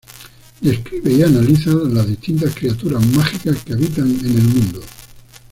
Describe y analiza las distintas criaturas mágicas que habitan en el mundo.